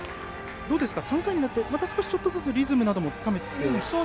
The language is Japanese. ３回になってまた少しずつリズムなどもつかめてきていますか。